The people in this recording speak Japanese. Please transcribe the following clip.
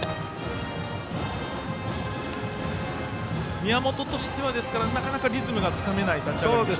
宮本としては、ですからなかなかリズムがつかめない立ち上がりでしょうか？